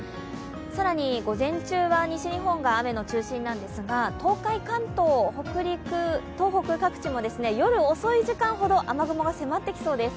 更に、午前中は西日本が雨の中心なんですが、東海、関東、北陸、東北各地も夜遅い時間ほど雨雲が迫ってきそうです。